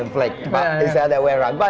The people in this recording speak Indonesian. tapi mereka mengatakan bahwa mereka menghormati